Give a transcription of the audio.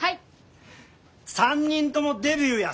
３人ともデビューや！